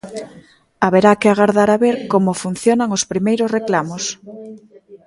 Haberá que agardar a ver como funcionan os primeiros reclamos.